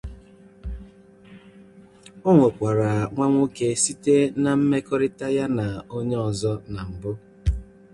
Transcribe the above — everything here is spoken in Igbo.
O nwekwara nwa nwoke site na nmekorita ya na onye ọzọ na-mbu.